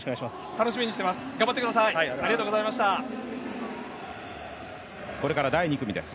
楽しみにしてます。